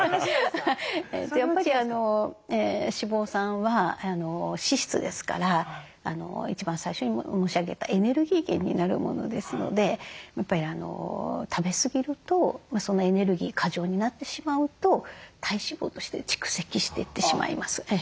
やっぱり脂肪酸は脂質ですから一番最初に申し上げたエネルギー源になるものですのでやっぱり食べすぎるとエネルギー過剰になってしまうと体脂肪として蓄積していってしまいます。